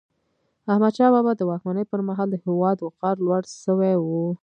احمدشاه بابا د واکمني پر مهال د هیواد وقار لوړ سوی و.